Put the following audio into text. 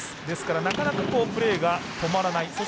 ですから、なかなかプレーが止まらない。